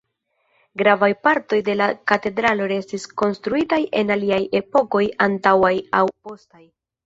Gravaj partoj de la katedralo estis konstruitaj en aliaj epokoj antaŭaj aŭ postaj.